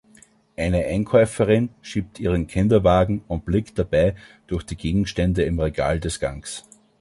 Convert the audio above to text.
Eine Einkäuferin schiebt ihren Kinderwagen und blickt dabei durch die Gegenstände im Regal des Gangs.